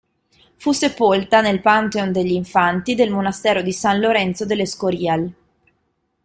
Fu sepolta nel Pantheon degli Infanti del Monastero di San Lorenzo del Escorial.